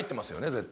絶対。